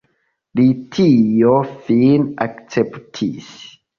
Li tion fine akceptis.